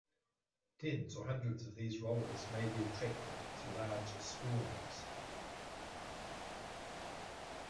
Tens or hundreds of these rollers may be attracted to large swarms.